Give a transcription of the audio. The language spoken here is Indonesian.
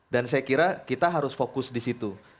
dan saya kira kita harus fokus di situ